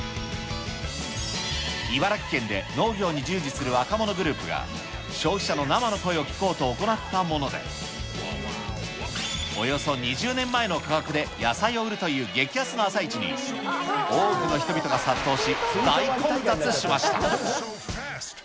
茨城県で農業に従事する若者グループが、消費者の生の声を聞こうと行ったもので、およそ２０年前の価格で野菜を売るという激安な朝市に、多くの人々が殺到し、大混雑しました。